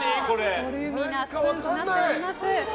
ボリューミーなスプーンとなっております。